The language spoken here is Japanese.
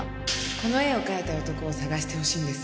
この絵を描いた男を捜してほしいんです。